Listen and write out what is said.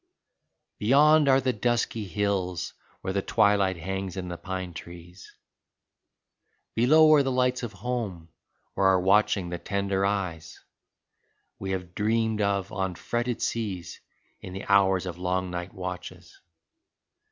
Beyond are the dusky hills where the twilight hangs in the pine trees, Below are the lights of home where are watching the tender eyes We have dreamed of on fretted seas in the hours of long night watches.